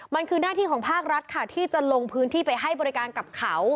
มันคือหน้าที่ของภาครัฐค่ะที่จะลงพื้นที่ไปให้บริการกับเขา